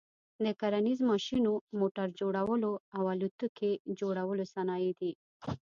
د کرنیز ماشینو، موټر جوړلو او الوتکي جوړلو صنایع دي.